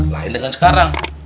lain dengan sekarang